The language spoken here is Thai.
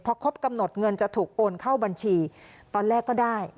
พอครบกำหนดเงินจะถูกโอนเข้าบัญชีตอนแรกก็ได้